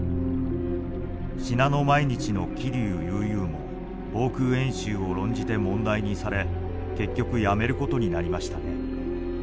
信濃毎日の桐生悠々も防空演習を論じて問題にされ結局辞めることになりましたね。